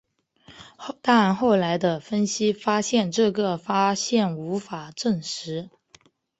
但后来的分析发现这个发现无法证实。